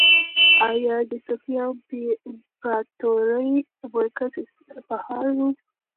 ایا د صفوي امپراطورۍ مرکز اصفهان و؟